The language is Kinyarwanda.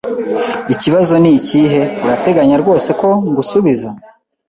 Ikibazo nikihe? Urateganya rwose ko ngusubiza?